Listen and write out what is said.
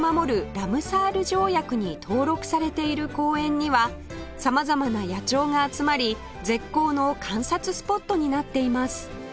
ラムサール条約に登録されている公園には様々な野鳥が集まり絶好の観察スポットになっています